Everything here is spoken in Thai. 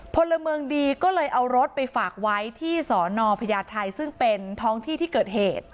พลเมืองดีก็เลยเอารถไปฝากไว้ที่สอนอพญาไทยซึ่งเป็นท้องที่ที่เกิดเหตุ